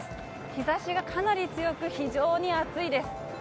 日差しがかなり強く非常に暑いです。